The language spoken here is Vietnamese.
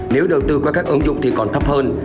nếu đầu tư qua các ứng dụng thì còn thấp hơn